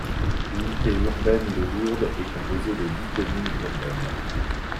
L'unité urbaine de Lourdes est composée de dix communes urbaines.